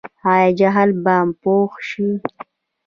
آیا جهل به پوهه شي؟